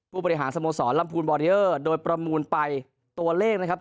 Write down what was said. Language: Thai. ผู้บริหารสโมสรลำพูนบอริเออร์โดยประมูลไปตัวเลขนะครับ